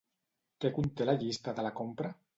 Què conté la llista de la compra?